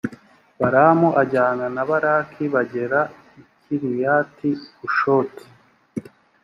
balamu ajyana na balaki bagera i kiriyati-hushoti.